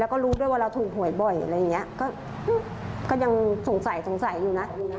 แล้วก็รู้ด้วยว่าเราถูกหวยบ่อยอะไรอย่างนี้ก็ยังสงสัยสงสัยอยู่นะ